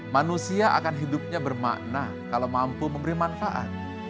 manusia akan hidupnya bermakna kalau mampu memberi manfaat